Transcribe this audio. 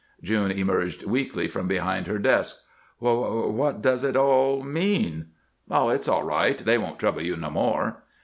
June emerged weakly from behind her desk. "W what does it all mean?" "Oh, it's all right. They won't trouble you no more."